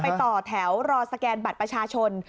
ต่อแถวรอสแกนบัตรประชาชน